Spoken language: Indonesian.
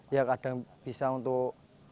ya kadang bisa untuk